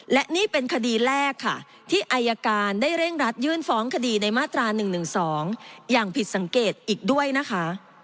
และนี่เป็นคดีแรกค่ะที่อายการได้เร่งรัดยื่นฟ้องคดีในมาตรา๑๑๒อย่างผิดสังเกตอีกด้วยนะคะ